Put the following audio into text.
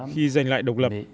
khi giành lại độc lập